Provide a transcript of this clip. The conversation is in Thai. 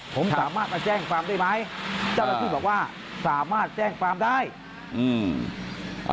ผมสามารถมาแจ้งความได้ไหมเจ้าหน้าที่บอกว่าสามารถแจ้งความได้อืม